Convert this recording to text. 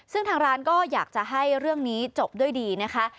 ซึ่งทางร้านก็อยากจะให้เรื่องนี้จบด้วยดีนะคะ